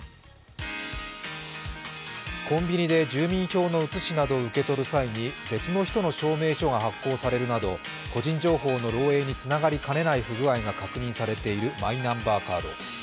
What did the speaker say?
コンビニで住民票の写しなどを受け取る際に別の人の証明書が発行されるなど個人情報の漏えいにつながりかねない不具合が確認されているマイナンバーカード。